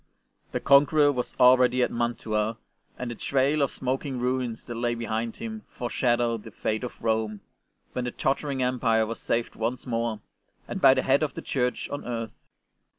The conqueror was already at Mantua, and ST. BENEDICT 17 the trail of smoking ruins that lay behind him foreshadowed the fate of Rome, when the tottering Empire was saved once more, and by the Head of the Church on earth.